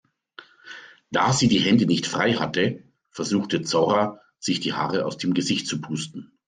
Da sie die Hände nicht frei hatte, versuchte Zora sich die Haare aus dem Gesicht zu pusten.